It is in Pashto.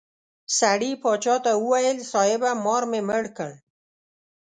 سړي باچا ته وویل صاحبه مار مې مړ کړ.